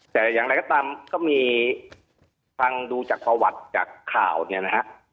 แต่อย่างไรก็ตามก็มีฟังดูจากประวัติจากข่าวเนี่ยนะฮะ